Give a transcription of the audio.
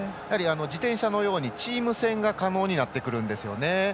自転車のようにチーム戦が可能になってくるんですよね。